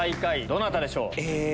どなたでしょう？